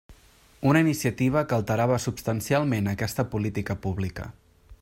Una iniciativa que alterava substancialment aquesta política pública.